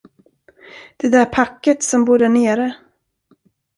Det där packet, som bor därnere.